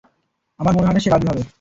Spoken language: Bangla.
আমার মনে হয় না সে রাজি হবে।